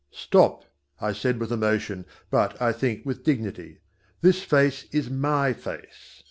"Stop," I said with emotion but, I think, with dignity. "This face is my face.